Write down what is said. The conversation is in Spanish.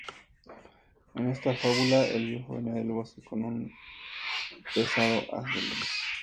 En esta fábula, el viejo venía del bosque con un pesado haz de leña.